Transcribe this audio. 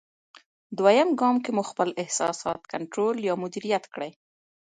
دوېم ګام کې مو خپل احساسات کنټرول یا مدیریت کړئ.